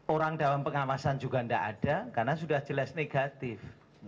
orang dalam pengawasan juga tidak ada karena sudah jelas negatif